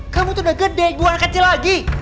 kamu itu udah gede bukan kecil lagi